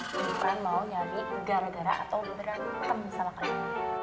bukan mau nyari gara gara atau beneran temen sama kalian